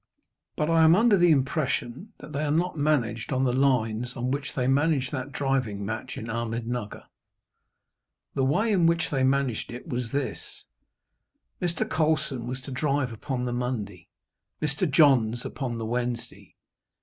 But I am under the impression that they are not managed on the lines on which they managed that driving match in Ahmednugger. The way in which they managed it there was this. Mr. Colson was to drive upon the Monday, Mr. Johns upon the Wednesday.